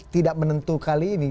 tidak menentu kali ini